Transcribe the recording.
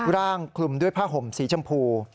คลุมด้วยผ้าห่มสีชมพู